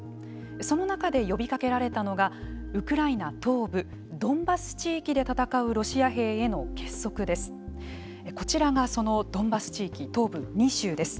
その中で呼びかけられたのがウクライナ東部ドンバス地域で戦うロシア兵への結束です。